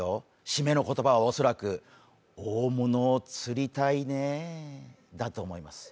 締めの言葉は恐らく、「大物を釣りたいね」だと思います。